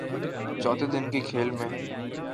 چوتھے دن کے کھیل میں